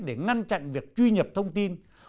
để ngăn chặn việc truy nhập thông tin